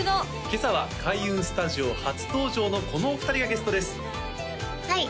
今朝は開運スタジオ初登場のこのお二人がゲストですはいＲｅ：